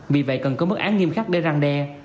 vì vậy cần có mức án nghiêm khắc để răng đe